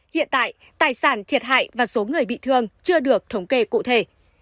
hiện tại tài sản thiệt hại và số người bị thương chưa được thống kê cụ thể